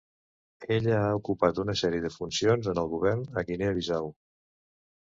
Ella ha ocupat una sèrie de funcions en el govern de Guinea Bissau.